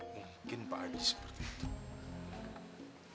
mungkin pak haji seperti itu